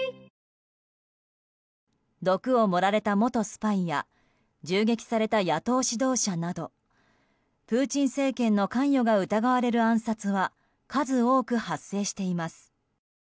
毒を盛られた元スパイや銃撃された野党指導者などプーチン政権の関与が疑われる暗殺は数多く発生しています。